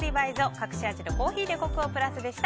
隠し味のコーヒーでコクをプラスでした。